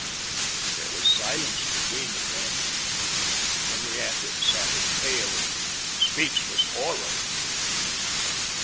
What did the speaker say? There was silence between them then. Henrietta sat in pale and speechless horror.